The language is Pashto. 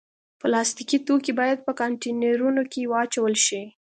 پلاستيکي توکي باید په کانټینرونو کې واچول شي.